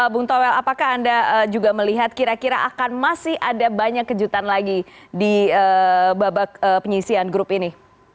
bung toel apakah anda juga melihat kira kira akan masih ada banyak kejutan lagi di babak penyisian grup ini